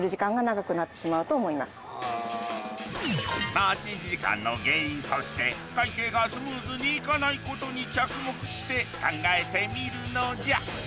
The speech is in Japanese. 待ち時間の原因として会計がスムーズにいかないことに着目して考えてみるのじゃ。